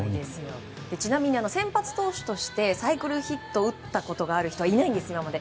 ちなみに先発投手としてサイクルヒットを打ったことがある人はいないんです、今まで。